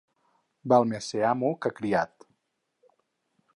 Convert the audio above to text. Val més ser amo que criat.